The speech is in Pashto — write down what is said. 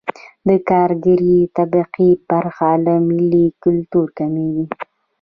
د کارګرې طبقې برخه له ملي ګټو کمېږي